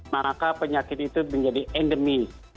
maka penyakit itu menjadi endemis